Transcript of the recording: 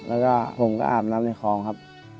แล้วก็ผมก็อาบน้ำในคลองครับ